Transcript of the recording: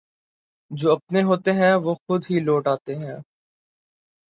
جواپنے ہوتے ہیں وہ خودہی لوٹ آتے ہیں